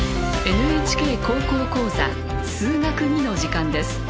「ＮＨＫ高校講座数学Ⅱ」の時間です。